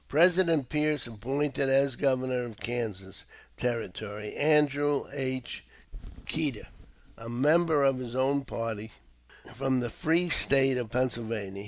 President Pierce appointed as Governor of Kansas Territory Andrew H. Keeder, a member of his own party, from the free State of Pennsylvania.